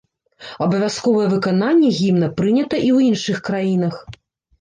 Абавязковае выкананне гімна прынята і ў іншых краінах.